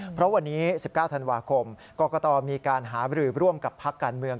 เพราะวันนี้๑๙ธันวาคมกรกตมีการหาบรือร่วมกับพักการเมือง